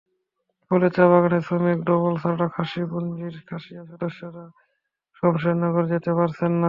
ফলে চা–বাগানের শ্রমিক, ডবলছড়া খাসিয়াপুঞ্জির খাসিয়া সদস্যরা শমশেরনগর যেতে পারছেন না।